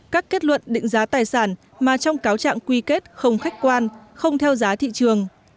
các kết luận định giá tài sản mà trong cáo trạng quy kết không khách quan không theo giá thị trường